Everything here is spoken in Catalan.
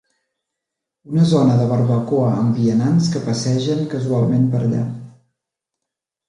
Una zona de barbacoa amb vianants que passegen casualment per allà.